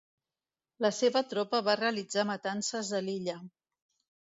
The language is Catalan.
La seva tropa va realitzar matances a l'illa.